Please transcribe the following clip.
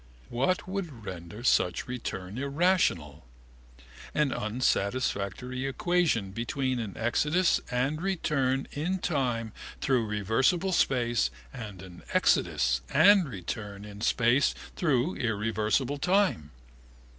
What would render such return irrational? An unsatisfactory equation between an exodus and return in time through reversible space and an exodus and return in space through irreversible time.